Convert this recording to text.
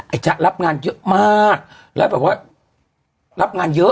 จ๊ะรับงานเยอะมากแล้วแบบว่ารับงานเยอะ